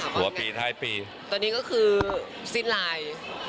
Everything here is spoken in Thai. หัวปีท้ายปี๊อันนี้ก็คือสิทธิ์ไลน์